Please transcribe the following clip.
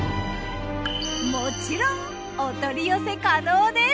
もちろんお取り寄せ可能です。